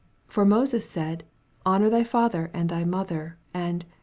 10 For Moses said, Honor thy fa ther and thy mother ; and.